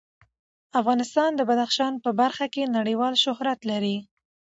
افغانستان د بدخشان په برخه کې نړیوال شهرت لري.